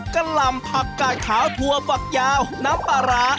กล่ำผักกาดขาวถั่วฝักยาวน้ำปลาร้า